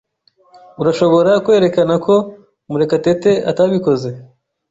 Urashobora kwerekana ko Murekatete atabikoze?